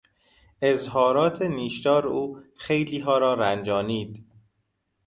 اظهارات نیشدار او خیلیها را رنجانید.